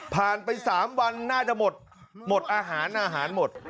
ไป๓วันน่าจะหมดหมดอาหารอาหารหมด